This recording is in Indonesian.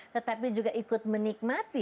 tetapi juga ikut menikmati